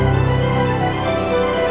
lo udah ngerti kan